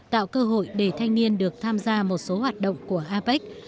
tạo cơ hội để thanh niên được tham gia một số hoạt động của apec